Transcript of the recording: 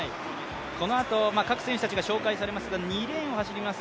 このあと各選手が紹介されますが、２レーンを走ります